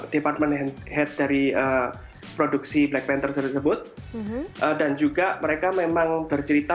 department head dari produksi black panther tersebut dan juga mereka memang bercerita